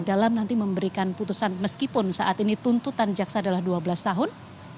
dalam nanti memberikan putusan meskipun saat ini tuntutan jaksa adalah dua belas tahun